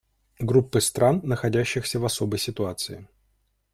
Группы стран, находящихся в особой ситуации.